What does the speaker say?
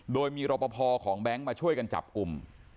โดยมีรปภของแบงค์มาช่วยกันจับกลุ่ม